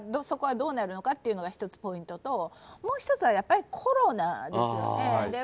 そこはどうなるのかというのが１つポイントなのともう１つはやっぱりコロナですね。